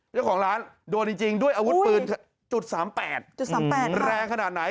เจ้าของร้านโดนจริงด้วยอาวุธปืน๓๘๓๘แรงขนาดไหน